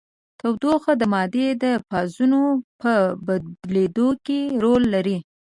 تودوخه د مادې د فازونو په بدلیدو کې رول لري.